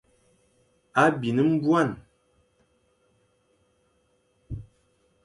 A bin nbuan.